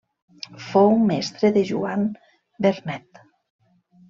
Fou mestre de Joan Vernet.